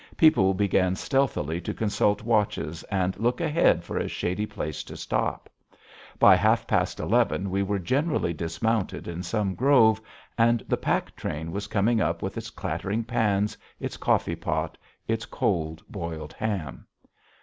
People began stealthily to consult watches and look ahead for a shady place to stop. By half past eleven we were generally dismounted in some grove and the pack train was coming up with its clattering pans, its coffee pot, its cold boiled ham.